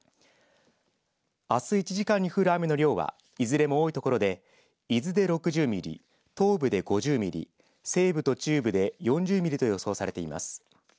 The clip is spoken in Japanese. あす１時間に降る雨の量はいずれも多いところで伊豆で６０ミリ東部で５０ミリ西部と中部で４０ミリと予想されています。